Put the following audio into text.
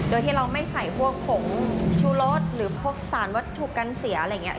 โดยที่เราไม่ใส่พวกผงชูรสหรือพวกสารวัตถุกันเสียอะไรอย่างนี้